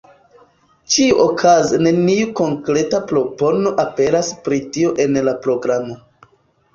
Ĉiuokaze neniu konkreta propono aperas pri tio en la programo.